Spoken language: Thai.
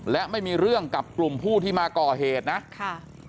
และไม่มีเรื่องกับกลุ่มผู้ที่มาก่อเหตุนะค่ะ